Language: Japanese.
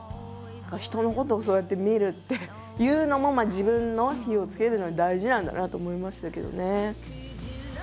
人のことをそうやって見るっていうのも自分の火をつけるのに大事なんだなと思いましたけどね。